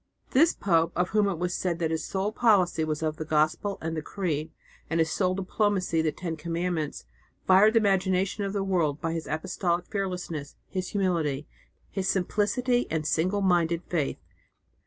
"This pope, of whom it was said that his sole policy was the Gospel and the Creed, and his sole diplomacy the Ten Commandments, fired the imagination of the world by his apostolic fearlessness, his humility, his simplicity and single minded faith."